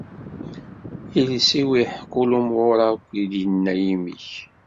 Iles-iw iḥekku lumuṛ akk i d-inna yimi-k.